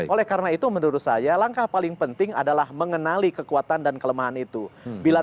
oleh karena itu menurut saya langkah paling penting adalah mengenali kekuatan dan kelemahan itu bila